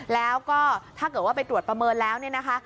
แล้วก็ถ้าเกิดว่าไปตรวจประเมินแล้วเนี่ยนะคะ